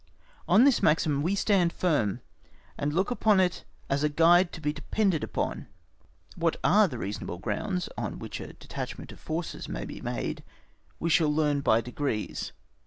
On this maxim we stand firm, and look upon it as a guide to be depended upon. What are the reasonable grounds on which a detachment of forces may be made we shall learn by degrees.